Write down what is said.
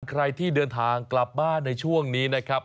ใครที่เดินทางกลับบ้านในช่วงนี้นะครับ